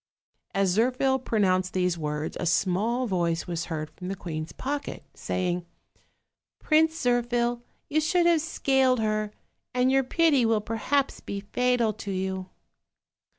As Zirphil pronounced these words, a small voice was heard from the queen's pocket, saying: "Prince Zirphil, you should have scaled her; and your pity will perhaps be fatal to you."